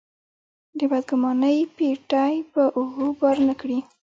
د بدګمانۍ پېټی په اوږو بار نه کړي.